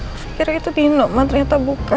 aku pikir itu dino mah ternyata bukan